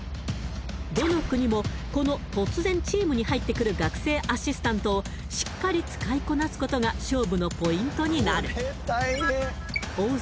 どの国もこの突然チームに入ってくる学生アシスタントをしっかり使いこなすことが勝負のポイントになる大皿